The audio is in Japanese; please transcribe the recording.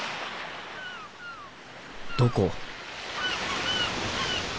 どこ？